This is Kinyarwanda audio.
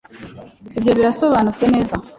ibyo birasobanutse neza